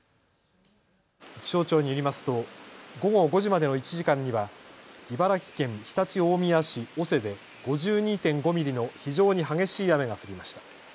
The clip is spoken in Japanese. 気象庁によりますと午後５時までの１時間には茨城県常陸大宮市小瀬で５２．５ミリの非常に激しい雨が降りました。